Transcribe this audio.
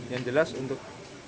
yang jelas untuk